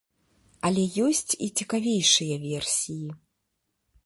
Але ёсць і цікавейшыя версіі.